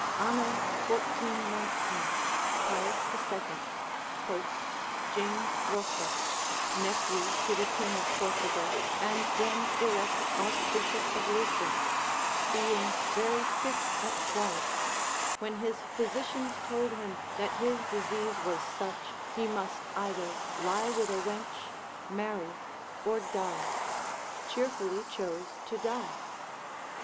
Anno 1419. Pius 2, Pope, James Rossa, nephew to the King of Portugal, and then elect Archbishop of Lisbon, being very sick at Florence, when his physicians told him, that his disease was such, he must either lie with a wench, marry, or die, cheerfully chose to die.